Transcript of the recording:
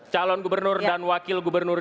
calon gubernur dan wakil gubernur